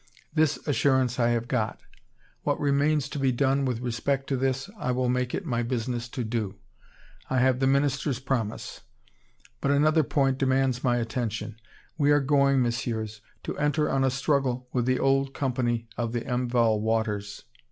This assurance I have got. What remains to be done with respect to this, I will make it my business to do. I have the Minister's promise. But another point demands my attention. We are going, Messieurs, to enter on a struggle with the old Company of the Enval waters.